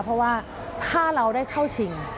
เพราะว่าถ้าเราได้เข้าชิง